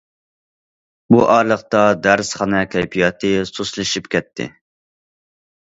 بۇ ئارىلىقتا دەرسخانا كەيپىياتى سۇسلىشىپ كەتتى.